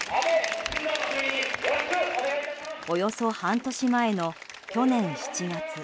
およそ半年前の去年７月。